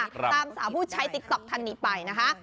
ตามสาวผู้ใช้ติ๊กต๊อกท่านนี้ไปนะคะ